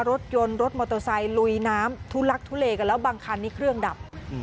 รถยนต์รถมอเตอร์ไซค์ลุยน้ำทุลักทุเลกันแล้วบางคันนี้เครื่องดับ